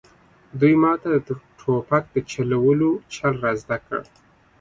دوی ماته د ټوپک د چلولو چل را زده کړ